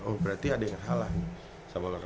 oh berarti ada yang salah nih